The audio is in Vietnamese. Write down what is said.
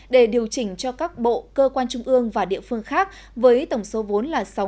để điều chỉnh cho các bộ cơ quan trung ương và địa phương khác với tổng số vốn là sáu ba trăm ba mươi tám tỷ đồng